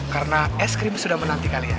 karena es krim sudah menanti kalian